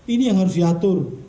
ini yang harus diatur